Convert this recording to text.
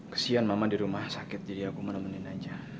kesian mama di rumah sakit jadi aku menemenin aja